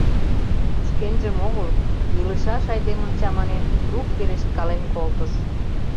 Шкенжым огыл, илышаш айдемым чаманен, трук пелешткален колтыш.